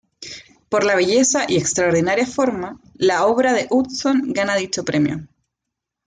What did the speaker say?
Por la belleza y extraordinaria forma la obra de Utzon gana dicho premio.